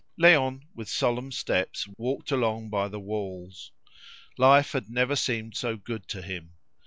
Léon with solemn steps walked along by the walls. Life had never seemed so good to him.